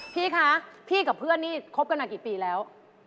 พี่คะพี่กับเพื่อนนี่คบกันมากี่ปีแล้ว